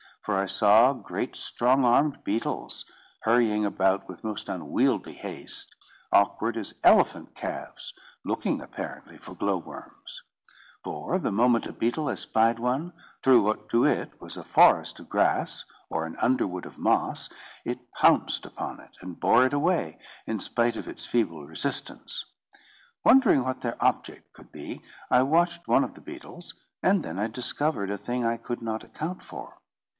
For I saw great strong armed beetles, hurrying about with most unwieldy haste, awkward as elephant calves, looking apparently for glowworms; for the moment a beetle espied one, through what to it was a forest of grass, or an underwood of moss, it pounced upon it, and bore it away, in spite of its feeble resistance. Wondering what their object could be, I watched one of the beetles, and then I discovered a thing I could not account for.